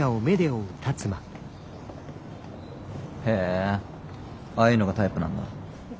へえああいうのがタイプなんだ。